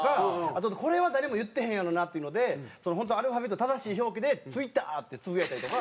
あとこれは誰も言ってへんやろなっていうので本当アルファベットの正しい表記で「Ｔｗｉｔｔｅｒ！」ってつぶやいたりとか。